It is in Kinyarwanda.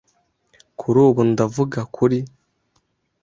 Kuri ubu, ndavuga kuri .